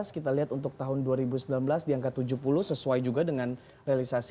kita lihat untuk tahun dua ribu sembilan belas di angka tujuh puluh sesuai juga dengan realisasi